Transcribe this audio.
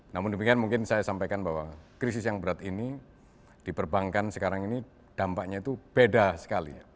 namun demikian mungkin saya sampaikan bahwa krisis yang berat ini di perbankan sekarang ini dampaknya itu beda sekali